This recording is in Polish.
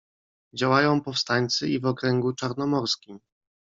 "Działają powstańcy i w okręgu Czarnomorskim."